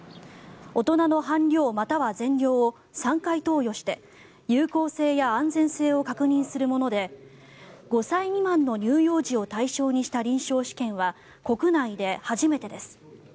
大人の半量または全量を３回投与して有効性や安全性を確認するもので５歳未満の乳幼児を対象にした臨床試験は国内で初めてです。